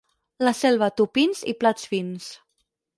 La Selva, tupins i plats fins.